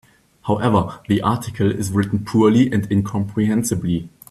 However, the article is written poorly and incomprehensibly.